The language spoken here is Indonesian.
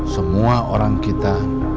semua orang kita